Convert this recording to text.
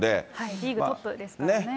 リーグトップですからね。